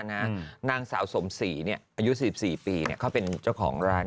นะฮะนางสาวสมศรีเนี้ยอายุสิบสี่ปีเนี้ยเขาเป็นเจ้าของร้าน